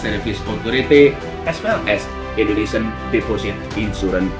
dan perusahaan insuransi deposit indonesia